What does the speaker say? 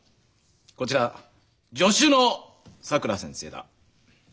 こちら助手のさくら先生だ。